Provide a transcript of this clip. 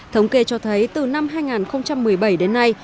thống kê cho thấy từ năm hai nghìn một mươi bảy đến nay